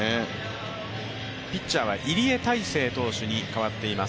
ピッチャーは入江大生投手に代わっています。